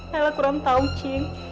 lela kurang tau cing